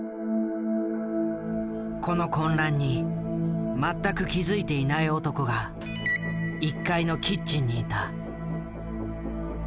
この混乱に全く気付いていない男が１階のキッチンにいた。